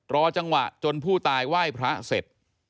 รอจังหวะจนผู้ตายไหว้พระเสร็จ